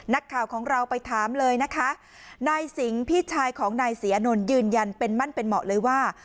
นักข่าวของเราไปถามเลยนะคะนายสิงห์พี่ชายของนายศรีอานนท์ยืนยันเป็นมั่นเป็นเหมาะเลยว่า